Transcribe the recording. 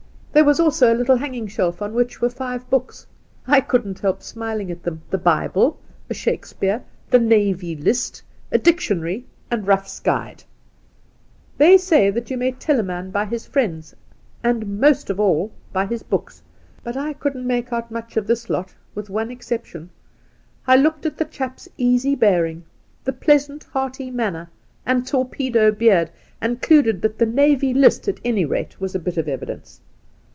There was also a little hanging shelf on which were five books. I couldn't help smiling at them — the Bible, a Shakespeare, the Navy List, a dictionary, and Euff's Guide. ' They say that you may tell a man by his friends, and most of all by his books ; but I couldn't make much out of this lot, with one exception. I looked at the chap's easy bearing, the pleasant, hearty manner and torpedo beard, and concluded that the Navy List, at any rate, was a bit of evidence.